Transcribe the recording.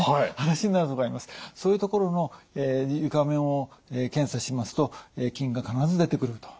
そういう所の床面を検査しますと菌が必ず出てくると。